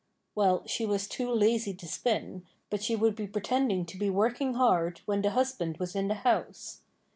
Well, she was too lazy to spin, but she would be pretending to be working hard when the husband was in the house.